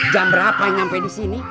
jam berapa sampai di sini